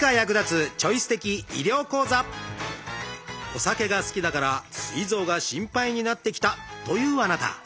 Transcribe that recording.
お酒が好きだからすい臓が心配になってきたというあなた。